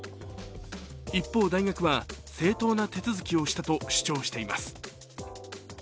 一方、大学は正当な手続きをしたと主張しています。